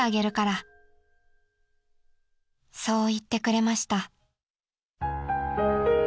［「そう言ってくれました」］